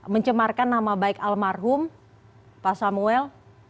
mencemarkan nama baik almarhum pak samuel